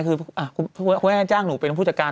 คือคุณแม่จ้างหนูเป็นผู้จัดการ